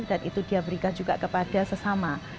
dan itu dia berikan juga kepada sesama